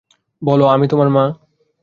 বল আমি তোমার মা!